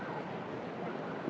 di tengah demonstrasi mahasiswa